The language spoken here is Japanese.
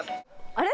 あれ？